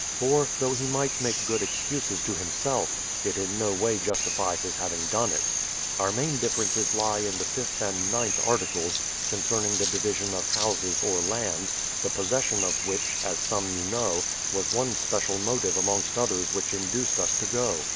For, though he might make good excuses to himself, it in no way justifies his having done it. Our main differences lie in the fifth and ninth articles, concerning the division of houses or lands, the possession 52 BRADFORD'S HISTORY OF of which, as some you know, was one special motive amongst others which induced us to go.